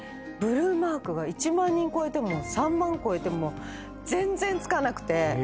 ブルーマークが１万人超えても３万超えても全然付かなくて。